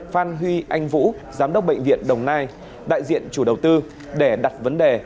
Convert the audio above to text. phan huy anh vũ giám đốc bệnh viện đồng nai đại diện chủ đầu tư để đặt vấn đề